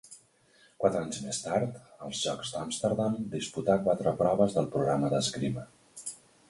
Quatre anys més tard, als Jocs d'Amsterdam, disputà quatre proves del programa d'esgrima.